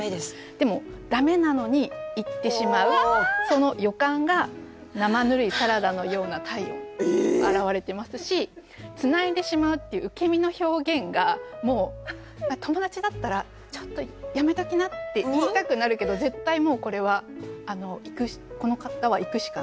でも駄目なのにいってしまうその予感が「生ぬるいサラダのような体温」表れてますし「繋いでしまう」っていう受け身の表現がもう友達だったら「ちょっとやめときな」って言いたくなるけど絶対もうこれはこの方はいくしかない。